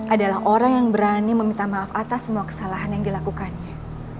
adalah orang yang berani meminta maaf atas semua kesalahan yang dilakukannya